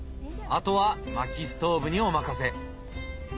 あとはまきストーブにお任せ。